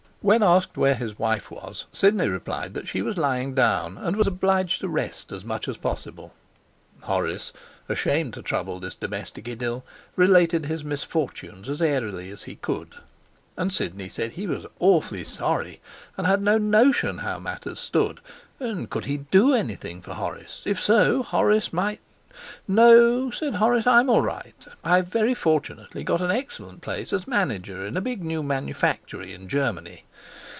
When asked where his wife was, Sidney replied that she was lying down, and was obliged to rest as much as possible. Horace, ashamed to trouble this domestic idyl, related his misfortunes as airily as he could. And Sidney said he was awfully sorry, and had no notion how matters stood, and could he do anything for Horace? If so, Horace might 'No,' said Horace. 'I'm all right. I've very fortunately got an excellent place as manager in a big new manufactory in Germany.'